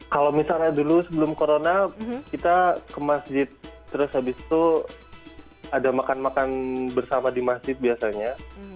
kalau misalnya dulu sebelum corona kita ke masjid terus habis itu ada makan makan bersama di masjid biasanya